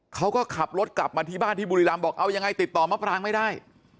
เขาก็ขับรถกลับมาที่บ้านที่บุรีรำบอกเอายังไงติดต่อมะปรางไม่ได้